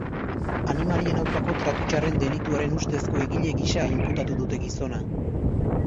Animalien aurkako tratu txarren delituaren ustezko egile gisa inputatu dute gizona.